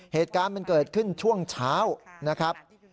เหตุการณ์มันเกิดขึ้นช่วงเช้านะครับ